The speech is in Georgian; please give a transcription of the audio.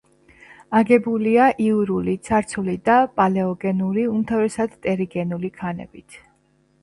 აგებულია იურული, ცარცული და პალეოგენური, უმთავრესად ტერიგენული ქანებით.